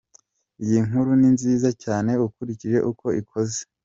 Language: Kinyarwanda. Iyi nkuru ni nziza cyane ukurikije uko ikozwe.